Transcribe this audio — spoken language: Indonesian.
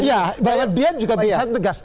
iya bahwa dia juga bisa tegas